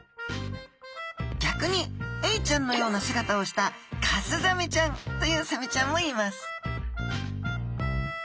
逆にエイちゃんのような姿をしたカスザメちゃんというサメちゃんもいます